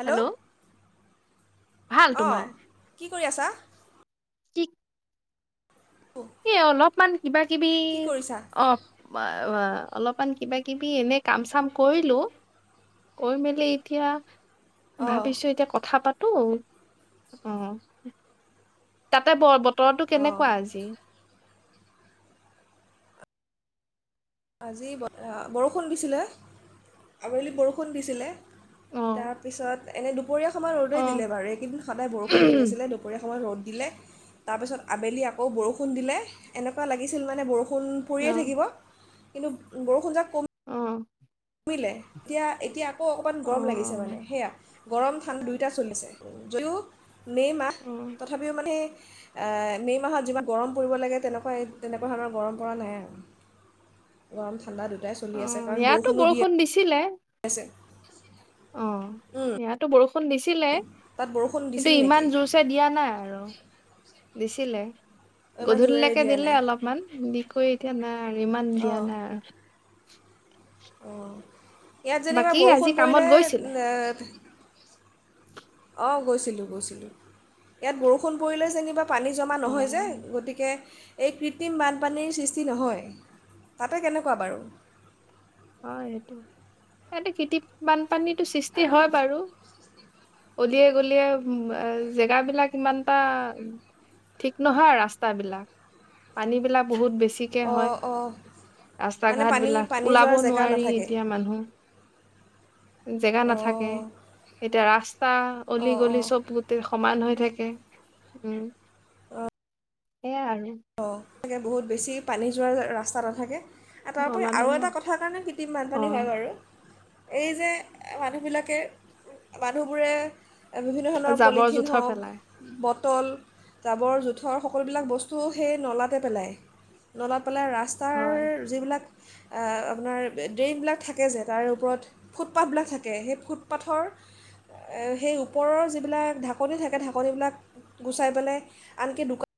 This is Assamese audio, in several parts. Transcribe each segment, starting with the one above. হেল্ল' ভাল অঁ কি কৰি আছা। ঠিক। এ অলপমান। কিবা কিবি কি কৰিছা অ। অ অলপমান কিবা কিবি এনে কাম চাম কৰিলো কৰি মেলি এতিয়া। অঁ ভাবিছো এতিয়া কথা পাতো। তো অ। তাতে বৰ বতৰটো অঁ কেনেকুৱা আজি? আজি বৰষুণ দিছিলে, আবেলি বৰষুণ দিছিলে, অ তাৰ পিছত এনে দুপ দুপৰীয়া সময় ৰ'দ অ দিলে বাৰু এইকদিন সদায় বৰষুণ পৰি আছিলে দুপৰীয়া সময় ৰ'দ দিলে, তাৰপিছত আবেলি আকৌ বৰষুণ দিলে এনেকুৱা লাগিছিল মানে বৰষুণ ফোন অ পৰিয়েই থাকিব। কিন্তু বৰষুণ যাক ক অ'। মিলে এতিয়া-এতিয়া আ অ' অকণমান গৰম লাগিছে মানে, সেয়া গৰম ঠান দুয়োটা চলিছে যদিও মে' মাহ, অ তথাপিও মানে মে' মাহত যিমান গৰম পৰিব লাগে তেনেকুৱা-তেনেকুৱা ধৰণৰ গৰম পৰা নাই আৰু, গৰম ঠাণ্ডা দু দুয়োটাই চলি অ আছে, কাৰণ বৰষুণ ইয়াতো বৰষুণ দিছিলে। হয় অ', সেয়াতো বৰষুণ [unintelligible] দিছিলে। তাত বৰষুণ কিন্তু দিছিল নেকি ইমান জোৰছে দিয়া নাই আৰু। দিছিলে ইমান জোৰেৰে গধূলিলেকে দিয়া নাই দিলে অলপমান দি আকোএতিয়া নাই। ইমান দিয়া নাই আৰু। অ'। ইয়াত যেনিবা বাকী আজি বৰষুণ কামত গৈছিলে পৰিলেহে নে অ', গৈছিলো-গৈছিলো। ইয়াত বৰষুণ পৰিলে যেনিবা পানী জমা অ নহয় যে গতিকে এই কৃত্ৰিম বানপানীৰ সৃষ্টি নহয়। তাতে কেনেকুৱা বাৰু? হয়, সেইটো এই খেতি বানপানীতো সৃষ্টি হয় বাৰু। অলিয়ে গলিয়ে জেগাবিলাক ইমানটা ঠিক নহয়, ৰাস্তাবিলাক পানী বিলাক বহুত বেছি অ', অ', মানে ঘাট বিলাক পানী-পানী ওলাব যোৱাৰ জে নোৱাৰি এতিয়া মানুহ, জেগা নাথাকে, অঁ এতিয়া ৰাস্তা অঁ অলি-গলি অঁ চব গোটে সমান হৈ থাকে। উম, সেয়া আৰু। অ', [unintelligible] বহুত বেছি পানী যোৱাৰ ৰাস্তা নাথাকে তাৰোপৰি নলা আৰু দমা এটা কথাৰ কাৰণে কৃত্ৰিম অ বানপানী হয় বাৰু। এই যে মানুহবিলাকে মানুহবোৰে। বিভিন্ন ধৰণৰ জাবৰ পলিথিন জোথৰ হওক পেলাই বট তল ডাবৰ জোথৰ সকলোবিলাক বস্তু চু সেই নলাতে পেলাই নলাত। ফালে ৰাস্তাৰ হয় যিবিলাক। আপোনাৰ ড্ৰেইনবিলাক থাকে যে তাৰে ওপৰত ফুটপাথবিলাক থাকে সেই ফুটপাথৰ সেই ওপৰৰ যিবিলাক ঢাকনি থাকে ঢাকনিবিলাক গুচাই পেলাই আনকি দোকান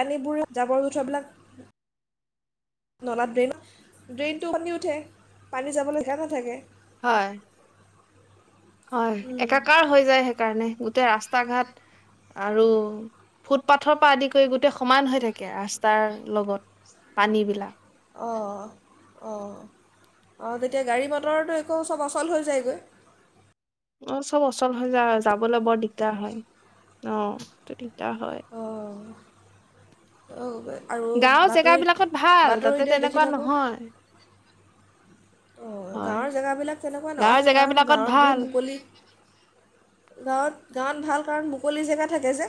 পানীবোৰ জাবৰ জোথাবিলাক। নলাত ড্ৰেইন ড্ৰেইনটো উফন্দি উঠে পানী যাবলৈ যেগা নাথাকে। হয়। হয় উম, একাকাৰ হৈ যায়। সেইকাৰণে গোটেই ৰাস্তা ঘাট আৰু ফুটপাথৰ পৰা আদি কৰি গোটেই সমান হৈ থাকে ৰাস্তাৰ লগত পানী বিলাক। অঁ অঁ অঁ তেতিয়া গাড়ী মটৰটো একো চব অচল হৈ যায়গৈ। অ চব অচল হৈ যায় যাবলৈ বৰ দিগ্দাৰ হয় অ। দাৰ হয়। অঁ আৰু গাঁৱৰ বাতৰিত জেগাবিলাকত ভাল তাতে বাতৰিতে দেখি তেনেকুৱা থাকোঁ। নহয় অঁ হয় গাঁৱৰ জেগাবিলাক তেনেকুৱা গাঁৱৰ নহে কাৰণ জেগাবিলাকত গাঁৱত বহুত ভাল মুকলি গাঁৱত। গাঁত ভাল কাৰণ মুকলি জেগা থাকে যে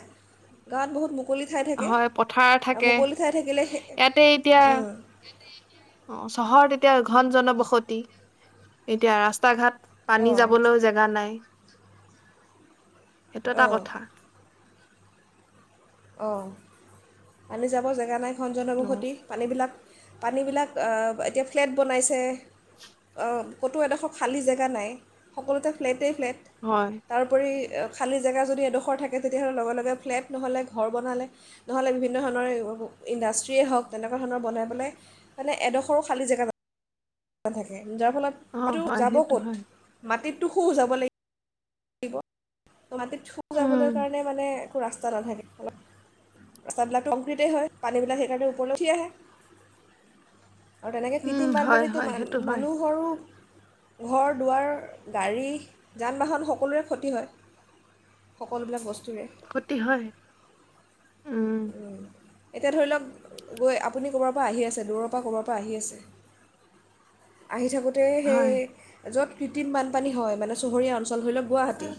গাঁত বহুত। মুকলি ঠাই থাকে হয় পথাৰ আৰু থাকে মুকলি ঠাই থাকিলে সেই ইয়াতে এতিয়া অঁ অ চহৰত এতিয়া এতিয়া ঘন জনবসতি এতিয়া ৰাস্তা ঘাট। পানী যাবলৈও অঁ জেগা নাই। সেইটো এটা অঁ কথা। অঁ আমি যাব জেগা নাই। ঘন অ জনবসতি পানীবিলাক পানীবিলাক এতিয়া ফ্লেট বনাইছে ক'তো এডোখৰ খালী জেগা নাই সকলোতে ফ্লেটেই। ফ্লেট হয় তাৰোপৰি খালী জেগা যদি এডোখৰ থাকে তেতিয়াহ'লে লগে লগে ফ্লেট নহ'লে ঘৰ বনালে নহ'লে বিভিন্ন ধৰণৰ ইণ্ডাষ্ট্ৰিয়েই হওক তেনেকুৱা ধৰণৰ বনাই পেলাই মানে এডোখৰো খালী জেগা থাকে। যাৰ ফলত অ এইটো হয় যাব সেইটো হয় ক'ত মাটিত। টো সুজাব লাগিব। ত' মাটিত থু যাবলৈ উম কাৰণে মানে। এক ৰাস্তা নাথাকে অলপ ৰাস্তাবিলাক কংক্ৰিতেই হয় পানীবিলাক সেইকাৰণে উপৰলৈ উঠি আহে। আৰু তেনেকৈ উম কৃত্ৰিম হয় বানপানীটো হয় মান সেইটো হয় মানুহৰো ঘৰ দুৱাৰ গাড়ী যান বাহন সকলোৰে ক্ষতি হয়। সকলোবিলাক বস্তু ক্ষতি হয় উম এতিয়া ধৰি লওক গৈ আপুনি ক'ৰবাৰ পৰা আহি আছে দূৰৰ পৰা ক'ৰবাৰ পৰা আহি আছে আহি থাকোঁতে সেই সেই হয়, য'ত কৃত্ৰিম বানপানী হয় মানে চহৰীয়া আচল ধৰি লওক গুৱাহাটী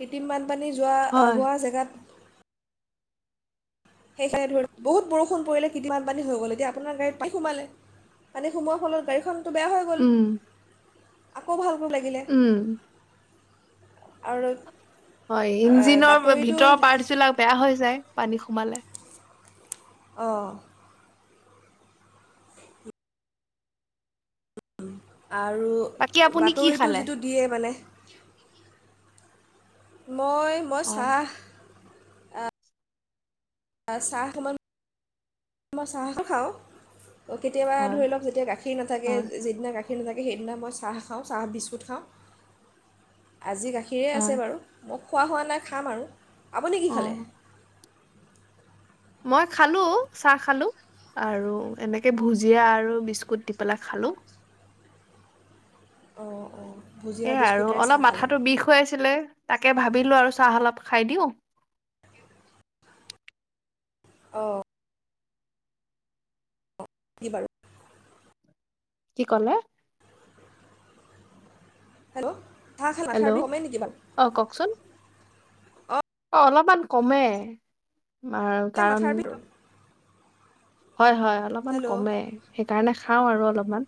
কেইদিন মান বাপানী যোৱা হয়, হোৱা জেগাত সেইকাৰণে ধৰি বহুত বৰষুণ পৰিলে কিমান পানী হৈ গ'ল এতিয়া আপোনাৰ গাড়ীত সোমালে পানী সোমালে ফলত গাড়ীখন ত' বেয়া হৈ গ'ল উম, আকৌ ভাল লাগিগে উম, আৰু হয় ইঞ্জিনৰ বাতৰিটো ভিতৰৰ পাৰ্টছ বিলাক বেয়া হৈ যায় পানী সোমালে আহঁ [inaudible] আৰু বাকী আপুনি কি বাতৰিটো খালে? যিটো দিয়ে মানে [unintelligible] মই মই হয়, চাহ আহ চাহ মন মই চাহ খাওঁ কেতিয়াবা হয়, ধৰি লওক যেতিয়া গাখীৰ নাথাকে হয়, যিদিনা গাখীৰ সেইনে থাকে সেইদিনা মই চাহ খাওঁ চাহ বিস্কুট খাওঁ আজি গাখীৰে হয়, আছে বাৰু মোক খোৱা হোৱা নাই খাম আৰু আপুনি কি অ', খালে মই খালো চাহ খালো আৰু এনেকে ভুজিয়া আৰু বিস্কুট দি পেলাই খালো অঁ অঁ ভুজিয়া এ আৰু বিস্কুটেৰে চাহ অলপ খালে মাথাতো বিষ হৈ আছে ছিলে তাকে ভাবিলো আৰু চাহ অলপ খাই দিও অ কি বাৰু? কি কলে হেল্ল' চাহ খালে মাথাৰ হেল্ল' বিষ কমে নেকি বাৰু অ কওকচোন অঁ অ অলপমান কমে আ খালে কাৰণ মাথাৰ বিষ হয় হয় অলপমান হেল্ল' কমে সেইকাৰণে খাওঁ আৰু অলপমান।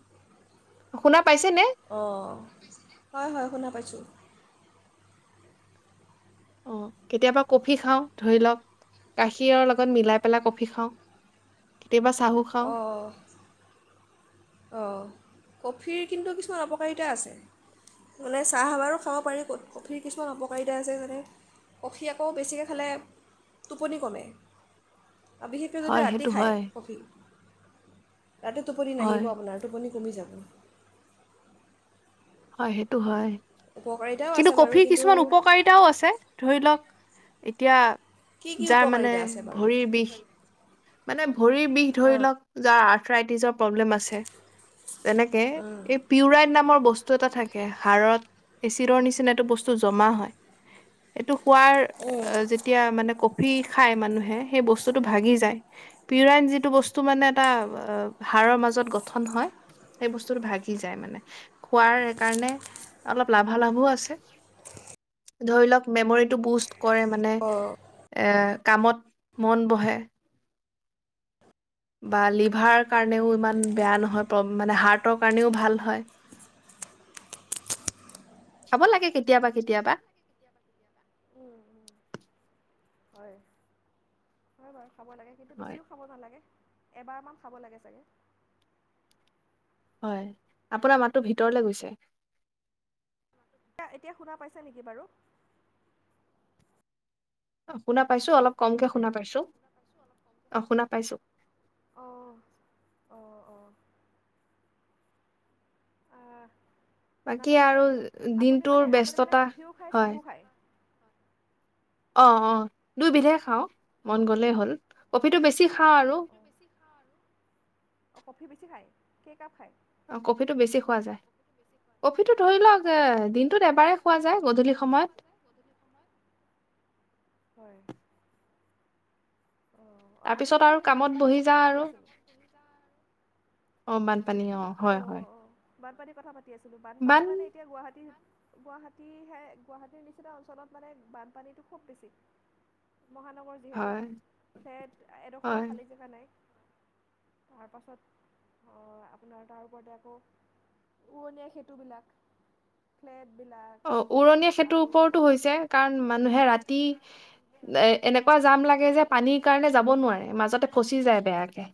শুনা পাইছে নে অঁ। শুনা পাইছেনে? হয় হয় শুনা পাইছোঁ অ কেতিয়াবা কফি খাওঁ ধৰি লওক গাখীৰৰ লগত মিলাই পেলাই কফি খাওঁ কেতিয়াবা চাঁহো খাওঁ অঁ অঁ কফিৰ কিন্তু কিছুমান অপকাৰিতা আছে মানে চাঁহ সাবাৰো খাব পাৰি কফিৰ কিছুমান অপকাৰিতা আছে মানে কফি আকৌ বেছিকৈ খালে টোপনি কমে অ বিশেষকৈ যদি হয়, ৰাতি সেইটো খায় হয়, কফি তাতে টোপনি নাহিব হয়, ব হয় সেইটো হয় উপকাৰিতাও কিন্তু আছে বাৰু কফিৰ কিন্তু কিছুমান উপকাৰিতাও আছে ধৰি লওক এতিয়া কি কি যাৰ মানে উপকাৰিতা আছে বাৰু ভৰিৰ বিষ মানে ভৰি বিষ ধৰি লওক যাৰ ট্ৰাইটিজৰ প্ৰব্লেম আছ্ তেনেকে এই পিউৰাইন নামৰ বস্তু বস্তু এটা থাকে। হাড়ত এচিডৰ নিচিনা এইটো বস্তু জমা হয়। এইটো খোৱাৰ উম, যেতিয়া মানে কফি খায় মানুহে সেই বস্তুটো ভাগি যায় পিউৰাইন যিটো বস্তু মানে এটা হাড়ৰ মাজত গঠন হয় সেই বস্তুটো ভাগি যায় মানে খোৱাৰ কাৰণে অলপ লাভালাভো আছে ধৰি লওক মেমৰিটো বুষ্ট কৰে মানে অঁ উম, এ কামত মন বহে বা লিভাৰ কাৰণেও ইমান বেয়া নহয় মান হাৰ্টৰ কাৰণেও ভাল হয়। খাব লাগে কেতিয়াবা কেতিয়াবা উম, [inaudible] খাব লাগে কিন্তু হয় বেছিও খাব নালাগে এবাৰমান খাব লাগে চাগে হয় আপোনাৰ মাতটো ভিতৰলে গৈছে এতিয়া এতিয়া শুনা পাইছ নেকি বাৰু শুনা পাইছো অলপ কমকে শুনা পাইছো অ শুনা পাইছোঁ অঁ অঁ অঁ আহ শুনা বাকী পাইছে ন আৰু এতিয়া, আপুনি দিনটোৰ মানে আপুনি মানে ব্যস্ততা কফিও খায় হয় চাহো খায়। অ অ দুই বিধেই খাওঁ। মন গ'লেই হ'ল অ কফিটো বেছি খাওঁ আৰু কফি বেছি খায়। কেই কাপ খাই? অ কফিটো বেছি খোৱা যায়, কফিটো ধৰি লওক দিনটোত এবাৰেই খোৱা যায় গধূলি সময়ত। হয়। অঁ অঁ তাৰ আমি পিছত আৰু, কামত বানপানীৰ বহি কথা যাওঁ পাতি আৰু আছিলোঁ অ মান পানী অ হয় হয়। বানপানী কথা পত পাতি আছিলো বানপানী বান মানে এতিয়া গুৱাহাটীত গুৱাহাটী হে গুৱাহাটীৰ নিচিনা অঞ্চলত মানে বানপানীটো খুব বেছি। মহানগৰ যিহেতু, হয় ফ্লেট এডোখৰো হয় খালী জেগা নাই। তাৰ পাছত অ আপোনাৰ তাৰ ওপৰতে আকৌ উৰণীয়া খেতি ভূলক, ফ্লেট। অ উৰণীয়া সেতু ওপৰতো হৈছে কাৰণ মানুহে ৰাতি এ এনেকুৱা জাম লাগে এ যে পানীৰ কাৰণে যাব নোৱাৰে, মাজতে ফচি বেয়াকে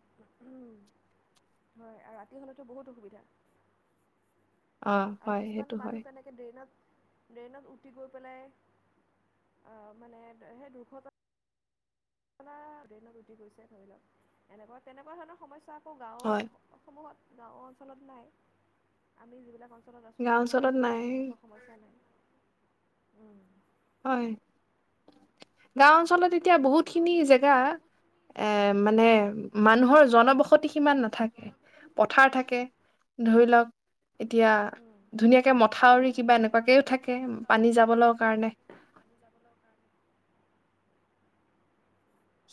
উম, হয় আৰু ৰাতি হলেতো বহুত অসুবিধা। অ আৰু হয় কিছুমান সেইটো হয় পানী তেনেকে ড্ৰাইনত ড্ৰাইনত উতি গৈ পেলাই অ মানে সেই দুখত আপোনাৰ দ্ৰাইনত উতি গৈছে ধৰি লওক এনেকুৱা তেনেকুৱা ধৰণৰ সমস্যা আকো হয় গানসমূহত গাওঁ অঞ্চলত নাই, আমি যিবিলাক তলত আছোঁ গাঁও সেইবিলাক অঞ্চলত নাই এনেকুৱা সমস্যা নাই। উম। হয়, গাওঁ অঞ্চলত এতিয়া বহুতখিনি জেগা এ মানে মানুহৰ জনৱস সতী সিমান নাথাকে, পথাৰ থাকে ধৰি লওক এতিয়া ধৰি ধুনীয়াকে মথাউৰি কিবা এনেকুৱাকৈও থাকে পানী যাবলৈ কাৰণে।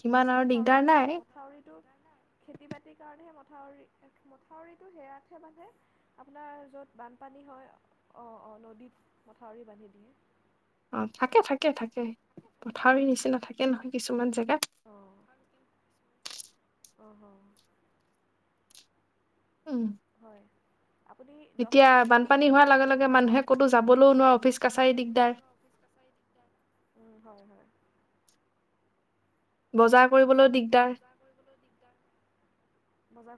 সিমান আৰু মথাউৰি দিগদাৰ থাকে নাই মথাউৰিত খেতি বাতিৰ কাৰণেহে মথাউৰি মথাউৰিটো হেয়াতো বান্ধে আপোনাৰ যত বানপানী হয় অ অ নদীত মথাউৰি বান্ধি দিয়ে। অ', থাকে, থাকে, থাকে মথাউৰি নিচিনা থাকে। কে নহয় কিছুমান জেগাত অহ অ অ উম হয় আপুনি দচ এতিয়া অ বানপানী হোৱাৰ লগে লগে কল মানুহে ক'তো যাবলৈও নোৱাৰে অফিচ কাছাৰী দিগদাৰ হয় হয় বজাৰ কৰিবলৈ দিগ- দাৰ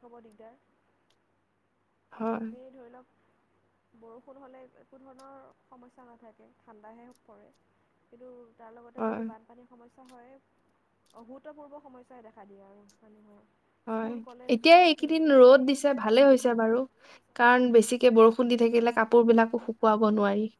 হ'ব দিগদাৰ হয় এনেই ধৰি লওক বৰষুণ হ'লে একো ধৰণৰ সমস্যা নাথাকে ঠাণ্ডাহে পৰে কিন্তু তাৰ লগতে যদি হয় বানপানীৰ সমস্যা সা হয়ে অভূতপূৰ্ব সমস্যাই দেখা দিয়ে আৰু মানুহে হয় এতিয়া এইকেইদিন ৰ'দ দিছে ভালে হৈছে বাৰু কাৰণ বেছিকে বৰষুণ দি থাকিলে কাপোৰ বিলাকো শুকুৱাব নোৱাৰি